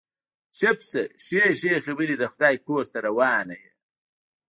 چپ شه، ښې ښې خبرې د خدای کور ته روانه يې.